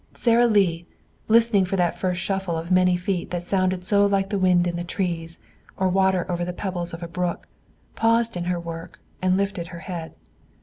Sara Lee, listening for that first shuffle of many feet that sounded so like the wind in the trees or water over the pebbles of a brook, paused in her work and lifted her head.